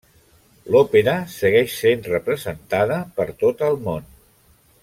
L'òpera segueix sent representada per tot el món.